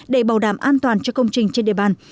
để bảo đảm an toàn cho công trình trên địa bàn